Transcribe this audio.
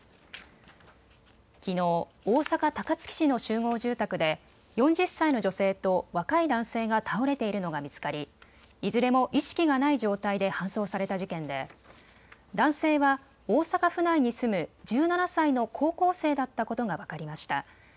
きのう、大阪高槻市の集合住宅で４０歳の女性と若い男性が倒れているのが見つかりいずれも意識がない状態で搬送された事件で男性は大阪府内に住む１７歳の高校生だったことが分かりました。